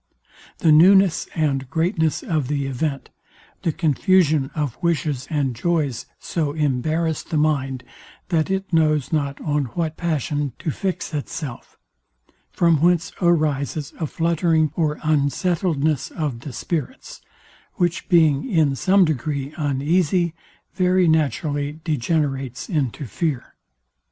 The newness and greatness of the event, the confusion of wishes and joys so embarrass the mind, that it knows not on what passion to fix itself; from whence arises a fluttering or unsettledness of the spirits which being, in some degree, uneasy, very naturally degenerates into fear.